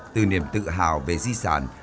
từ niềm tự hào về di sản